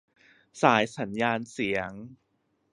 สายสัญญาณเสียง